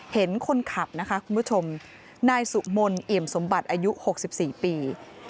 เห็นคนขับนะคะคุณผู้ชมนายสุมนต์เอี่ยมสมบัติอายุ๖๔ปี